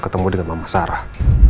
ketemu dengan mama sarah